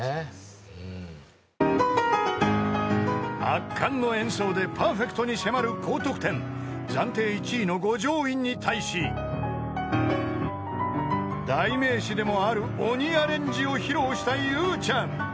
［圧巻の演奏でパーフェクトに迫る高得点暫定１位の五条院に対し代名詞でもある鬼アレンジを披露したゆうちゃん］